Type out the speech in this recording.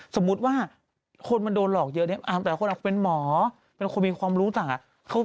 สมมติว่าคนมันโดนหลอกเยอะนี้แต่คนเป็นหมอคนมีความรู้สัก